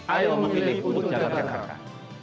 ayo memilih untuk jakarta